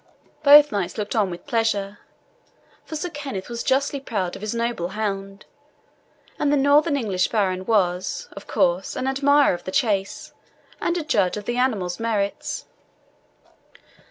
Both knights looked on with pleasure; for Sir Kenneth was justly proud of his noble hound, and the northern English baron was, of course, an admirer of the chase, and a judge of the animal's merits.